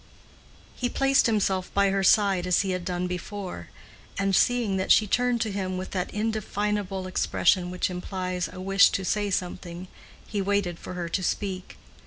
He placed himself by her side as he had done before, and seeing that she turned to him with that indefinable expression which implies a wish to say something, he waited for her to speak.